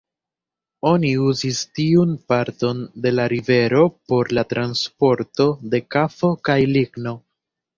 Oni uzis tiun parton de la rivero por la transporto de kafo kaj ligno.